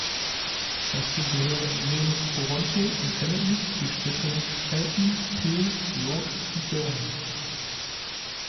Dazu gehören neben Toronto und Hamilton die Städte Halton, Peel, York und Durham.